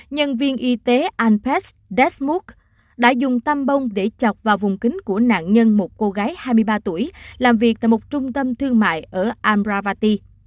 nhân viên y tế alpest desmook đã dùng tâm bông để chọc vào vùng kính của nạn nhân một cô gái hai mươi ba tuổi làm việc tại một trung tâm thương mại ở amravati